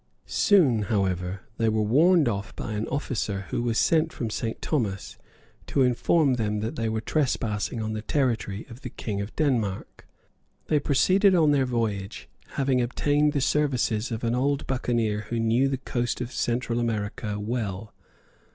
Soon, however, they were warned off by an officer who was sent from St. Thomas to inform them that they were trespassing on the territory of the King of Denmark. They proceeded on their voyage, having obtained the services of an old buccaneer who knew the coast of Central America well.